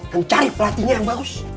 kamu cari pelatihnya yang bagus